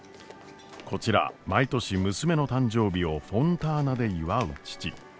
こちら毎年娘の誕生日をフォンターナで祝う父。